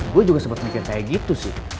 gue juga sempet mikir kayak gitu sih